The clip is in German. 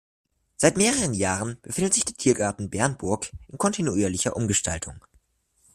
Seit mehreren Jahren befindet sich der Tiergarten Bernburg in kontinuierlicher Umgestaltung.